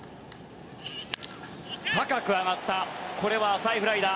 高く上がったこれは浅いフライだ。